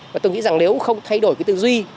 và tôi nghĩ rằng nếu không thay đổi cái tư duy